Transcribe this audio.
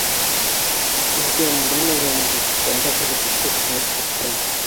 Үлгәнен белмәгәйнем бит, бында килеп төшкәс кенә ишеттем.